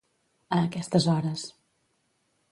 A aquestes hores.